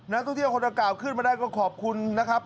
นักท่องเที่ยวคนละกล่าขึ้นมาได้ก็ขอบคุณนะครับ